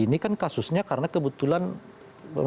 ini kan kasusnya karena kebetulan menabrak ya